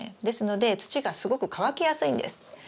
ですので土がすごく乾きやすいんです。